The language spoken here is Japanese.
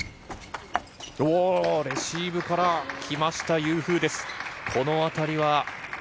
レシーブから来ました、ユー・フーです。